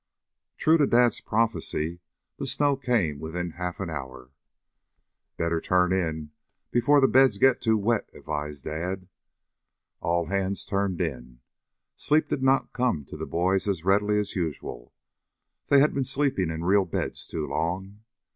True to Dad's prophecy, the snow came within half an hour. "Better turn in before the beds get too wet," advised Dad. All hands turned in. Sleep did not come to the boys as readily as usual. They had been sleeping in real beds too long.